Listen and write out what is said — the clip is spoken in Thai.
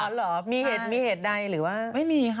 อ๋อเหรอมีเหตุใดหรือว่าไม่มีค่ะ